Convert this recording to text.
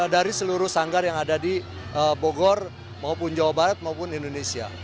dari seluruh sanggar yang ada di bogor maupun jawa barat maupun indonesia